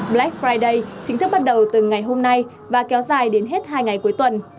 black friday chính thức bắt đầu từ ngày hôm nay và kéo dài đến hết hai ngày cuối tuần